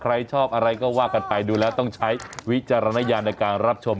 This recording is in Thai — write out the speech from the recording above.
ใครชอบอะไรก็ว่ากันไปดูแล้วต้องใช้วิจารณญาณในการรับชม